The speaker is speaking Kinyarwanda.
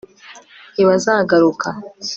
ntibazagaruka